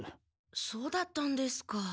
そうだったんですか。